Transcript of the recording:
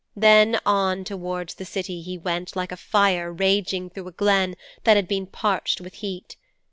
'Then on towards the City, he went like a fire raging through a glen that had been parched with heat.